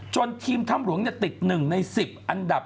จนทีมถ้ำหลวงเนี่ยติด๑ใน๑๐อันดับ